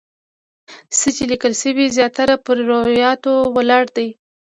څه چې لیکل شوي زیاتره پر روایاتو ولاړ دي.